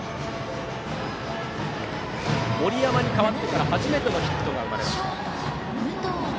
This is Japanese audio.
森山に代わってから初めてのヒットが生まれました。